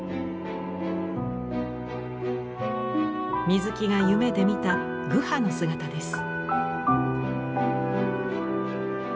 水木が夢で見たグハの姿です。